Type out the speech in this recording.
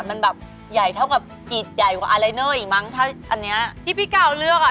มันแบบใหญ่เท่ากับจีดใหญ่กว่าอะไรเนอร์อีกมั้งถ้าอันเนี้ยที่พี่กาวเลือกอ่ะ